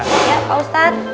iya pak ustadz